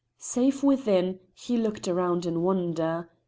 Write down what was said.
Safe within, he looked around in wonder.